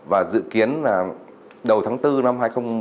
và dự kiến là đầu tháng bốn năm hai nghìn một mươi chín